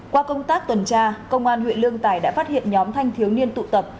qua công tác tuần tra công an huyện lương tài đã phát hiện nhóm thanh thiếu niên tụ tập